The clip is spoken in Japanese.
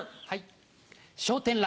はい。